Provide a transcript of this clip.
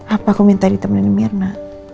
apa aku minta ditemani mirna